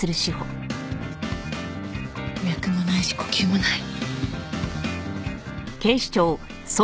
脈もないし呼吸もない。